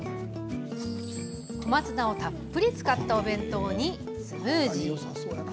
小松菜をたっぷり使ったお弁当にスムージー。